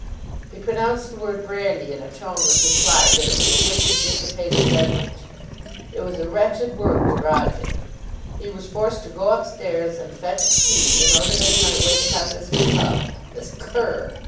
He pronounced the word "brandy" in a tone which implied that it was a wicked, dissipated beverage. It was a wretched work to Roger. He was forced to go up stairs and fetch a key in order that he might wait upon this cub, this cur!